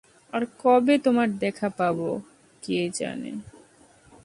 আর কবে তোমার দেখা পাব, কে জানে।